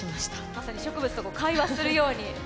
まさに植物と会話するように。